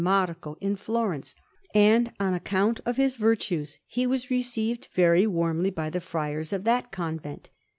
Marco at Florence, and on account of his virtues he was received very warmly by the friars of that convent.